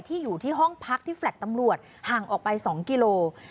อยู่ที่ห้องพักที่แลต์ตำรวจห่างออกไป๒กิโล